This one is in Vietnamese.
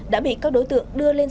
đã bị các đối tượng đưa lên